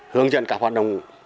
hướng dẫn các hoạt động